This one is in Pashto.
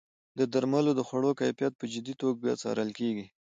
د درملو او خوړو کیفیت په جدي توګه څارل کیږي.